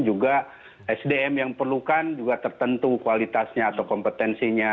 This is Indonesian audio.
juga sdm yang perlukan juga tertentu kualitasnya atau kompetensinya